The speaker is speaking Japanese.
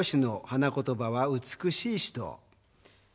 花言葉は「美しい人」